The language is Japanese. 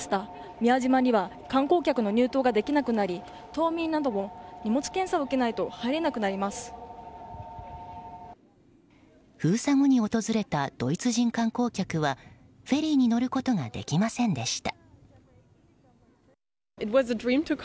宮島には観光客の入島ができなくなり島民なども荷物検査を受けないと封鎖後に訪れたドイツ人観光客はフェリーに乗ることができませんでした。